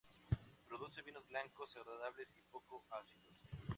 Produce vinos blancos agradables y poco ácidos.